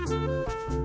ya nggak lah